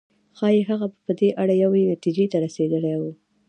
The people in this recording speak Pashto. ښايي هغه به په دې اړه یوې نتيجې ته رسېدلی و.